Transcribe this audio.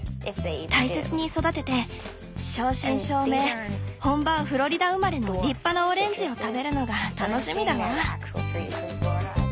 大切に育てて正真正銘本場フロリダ生まれの立派なオレンジを食べるのが楽しみだわ。